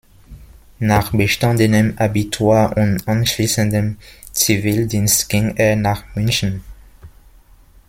Nach bestandenem Abitur und anschließendem Zivildienst ging er nach München.